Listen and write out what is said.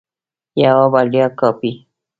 یوه وړیا کاپي